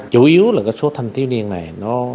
chủ yếu là số thanh thiếu niên này